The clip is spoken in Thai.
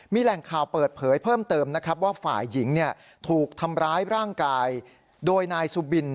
มีแหล่งข่าวเปิดเผยเพิ่มเติมนะครับว่าฝ่ายหญิงถูกทำร้ายร่างกายโดยนายสุบิน